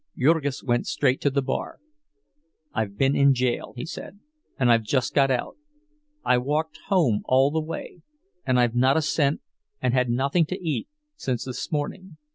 Jurgis went straight to the bar. "I've been in jail," he said, "and I've just got out. I walked home all the way, and I've not a cent, and had nothing to eat since this morning.